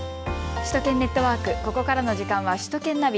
首都圏ネットワーク、ここからの時間は首都圏ナビ。